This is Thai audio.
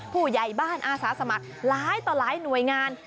ผู้ใหญ่บ้านอาสาสมัครหลายต่อหลายหน่วยงาน